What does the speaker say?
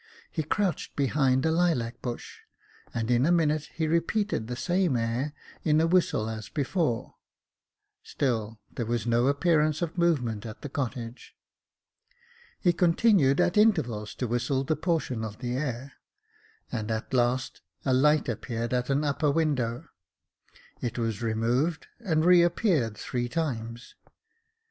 He crouched behind a lilac bush, and in a minute he repeated the same air in a whistle as before ; still there was no appearance of movement at the cottage. He con tinued at intervals to whistle the portion of the air, and at last a light appeared at an upper window : it was removed, and re appeared three times.